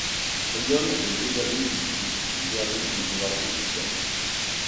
Rione et Desjani se disputent, Geary ne peut apprendre pourquoi.